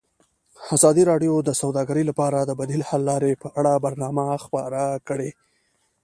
ازادي راډیو د سوداګري لپاره د بدیل حل لارې په اړه برنامه خپاره کړې.